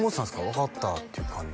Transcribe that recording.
分かったっていう感じ？